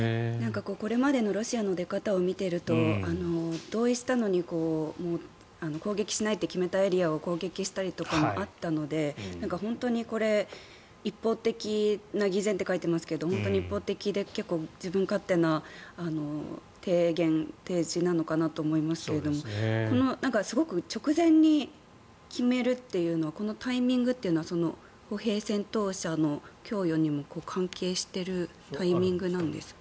これまでのロシアの出方を見ていると同意したのに攻撃しないって決めたエリアを攻撃したりとかもあったので本当にこれ、一方的な偽善と書いていますが本当に一方的で自分勝手な提言、提示なのかと思いますが直前に決めるっていうのはこのタイミングというのは歩兵戦闘車の供与にも関係しているタイミングなんですか？